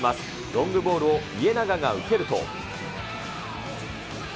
ロングボールを家長が受けると。